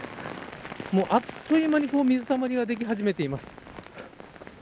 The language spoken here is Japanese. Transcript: あっという間に水たまりができ始めています。